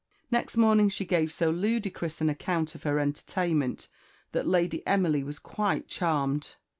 Next morning she gave so ludicrous an account of her entertainment that Lady Emily was quite charmed.